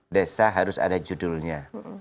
desa harus ada judulnya